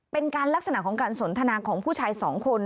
ลักษณะของการสนทนาของผู้ชายสองคน